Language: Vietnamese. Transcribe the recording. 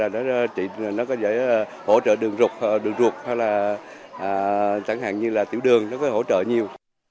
nó có giải hỗ trợ đường ruột đường ruột hoặc là chẳng hạn như là tiểu đường nó có hỗ trợ nhiều